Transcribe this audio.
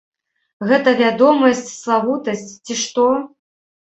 Гэта вядомасць, славутасць ці што?